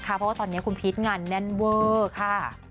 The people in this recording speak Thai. เพราะว่าตอนนี้คุณพีชงานแน่นเวอร์ค่ะ